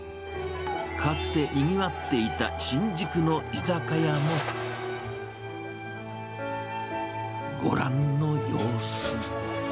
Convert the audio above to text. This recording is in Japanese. かつてにぎわっていた新宿の居酒屋も、ご覧の様子。